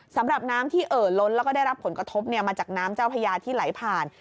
สำหรับน้ำที่เอ่อล้นแล้วก็ได้รับผลกระทบมาจากน้ำเจ้าพญาที่ไหลผ่าน